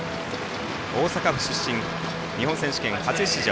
大阪府出身、日本選手権は初出場。